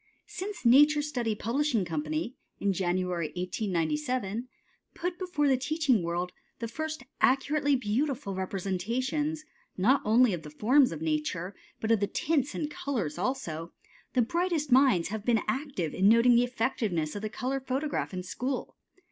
Since Nature Study Publishing Company, in January, 1897, put before the teaching world the first accurately beautiful representations, not only of the forms of nature but of the tints and colors also, the brightest minds have been active in noting the effectiveness of the color photograph in school.